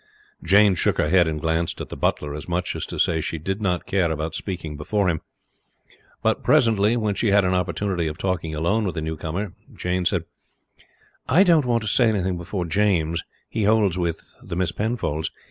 Jane shook her head and glanced at the butler, as much as to say she did not care about speaking before him; but presently when she had an opportunity of talking alone with the newcomer she said: "I didn't want to say anything before James, he holds with the Miss Penfolds.